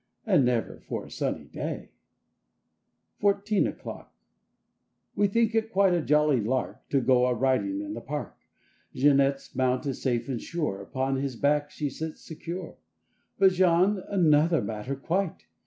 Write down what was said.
And never for a sunny day! 29 THIRTEEN O'CLOCK 31 FOURTEEN O'CLOCK W E think it quite a jolly lark To go a riding in the park. Jeanette's mount is safe and sure, Upon his back she sits secure. But Jean—another matter, quite!